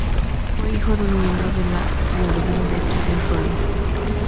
Fue hijo de un miembro de la y alumno de Charles Rollin.